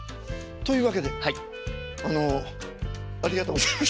というわけであのありがとうございました。